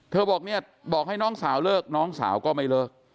บอกเนี่ยบอกให้น้องสาวเลิกน้องสาวก็ไม่เลิก